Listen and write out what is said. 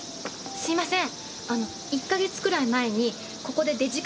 すいません。